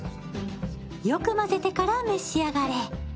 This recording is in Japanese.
よく混ぜてから召し上がれ。